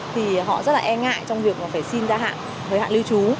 thì họ rất e ngại trong việc phải xin gia hạn lưu trú